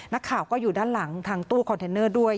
นักข่าวก็อยู่ด้านหลังทางตู้คอนเทนเนอร์ด้วย